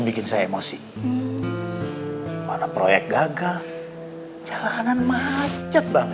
makanya pakai tabung